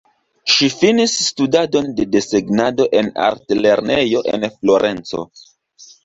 Ŝi finis studadon de desegnado en artlernejo en Florenco.